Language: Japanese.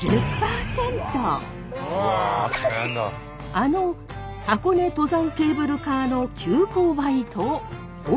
あの箱根登山ケーブルカーの急勾配とほぼ同じです。